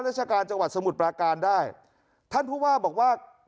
ราชการจังหวัดสมุทรปราการได้ท่านผู้ว่าบอกว่า